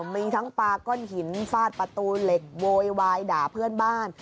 มีทั้งปลาก้อนหินฟาดประตูเหล็กโวยวายด่าเพื่อนบ้าน